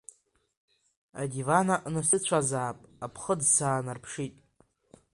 Адиван аҟны сыцәазаап, аԥхыӡ саанарԥшит…